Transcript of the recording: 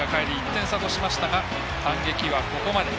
１点差としましたが反撃はここまで。